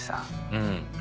うん。